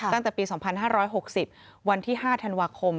ตั้งแต่ปี๒๕๖๐วันที่๕ธันวาคม